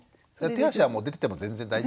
手足は出てても全然大丈夫？